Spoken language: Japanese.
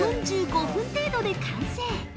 ４５分程度で完成！